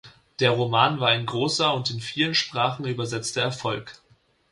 Der Roman war ein großer und in viele Sprachen übersetzter Erfolg.